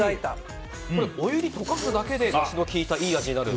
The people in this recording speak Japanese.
お湯に溶かすだけでだしの効いたいい味になると。